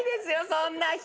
そんな人。